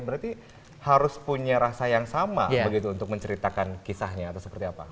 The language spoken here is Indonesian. berarti harus punya rasa yang sama begitu untuk menceritakan kisahnya atau seperti apa